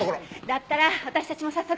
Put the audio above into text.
だったら私たちも早速。